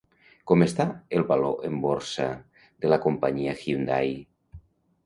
Com està el valor en borsa de la companyia Hyundai?